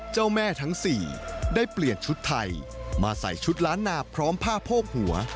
เจ้าแม่ทั้งสี่ได้เปลี่ยนชุดไทยมาใส่ชุดล้านนาพร้อมผ้าโพกหัว